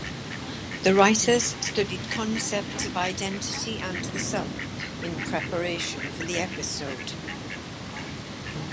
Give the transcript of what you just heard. The writers studied concepts of identity and the self in preparation for the episode.